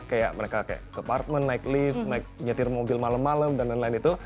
kayak mereka ke apartment naik lift naik nyetir mobil malem malem dan lain lain itu